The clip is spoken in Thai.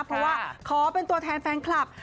เพราะว่าขอเป็นตัวแทนแฟนคลับ